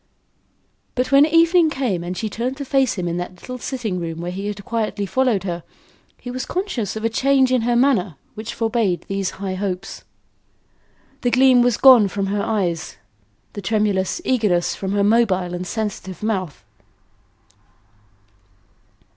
But when evening came and she turned to face him in that little sitting room where he had quietly followed her, he was conscious of a change in her manner which forbade these high hopes. The gleam was gone from her eyes; the tremulous eagerness from her mobile and sensitive mouth.